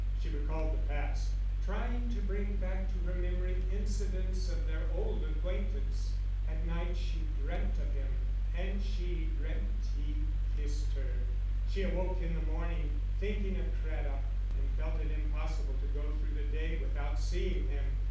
She recalled the past, trying to bring back to her memory incidents of their old acquaintance. At night she dreamt of him, and she dreamt he kissed her. She awoke in the morning, thinking of Craddock, and felt it impossible to go through the day without seeing him.